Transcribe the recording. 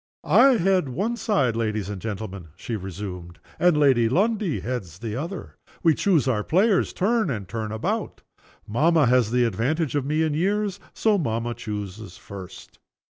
"I head one side, ladies and gentlemen," she resumed. "And Lady Lundie heads the other. We choose our players turn and turn about. Mamma has the advantage of me in years. So mamma chooses first."